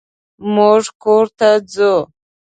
مونږ کور ته ځو.